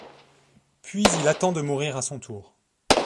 Puis il attend de mourir à son tour.